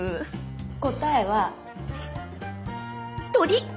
答えは鳥！